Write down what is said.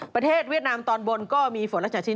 ประเทศเวียดนามตอนบนก็มีฝนละชะชิ้น